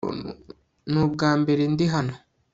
Ni ubwambere ndi hano